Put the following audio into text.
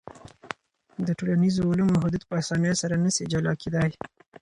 د ټولنیزو علومو حدود په اسانۍ سره نسي جلا کېدای.